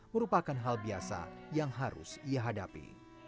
merupakan hal biasa yang harus ia hadapi